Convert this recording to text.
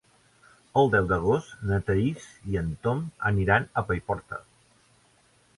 El deu d'agost na Thaís i en Tom aniran a Paiporta.